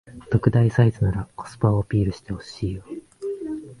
特大サイズならコスパをアピールしてほしいよ